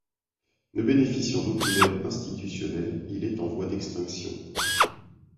Ne bénéficiant d'aucune aide institutionnelle, il est en voie d'extinction.